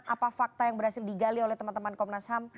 apa fakta yang berhasil digali oleh teman teman komnas ham